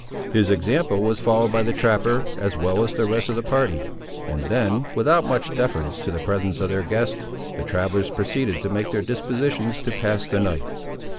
His example was followed by the trapper, as well as the rest of the party; and then, without much deference to the presence of their guest, the travellers proceeded to make their dispositions to pass the night.